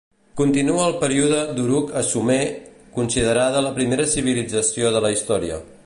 Continua el Període d'Uruk a Sumer, considerada la primera civilització de la història.